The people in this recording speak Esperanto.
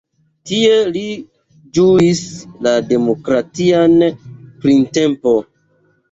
Tie li ĝuis la demokratian printempon.